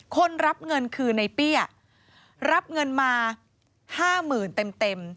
คนรับเงินคือในเปี้ยรับเงินมา๕๐๐๐เต็ม